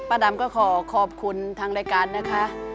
ดำก็ขอขอบคุณทางรายการนะคะ